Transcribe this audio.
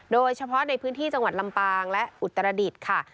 โดยเฉพาะในพื้นที่จังหวัดลำปางและอุตรดิษฐ์ค่ะ